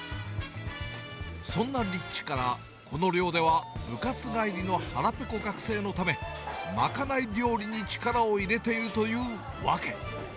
そんな立地から、この寮では、部活帰りの腹ぺこ学生のため、賄い料理に力を入れているというわけ。